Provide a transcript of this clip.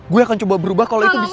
gue akan coba berubah kalau itu bisa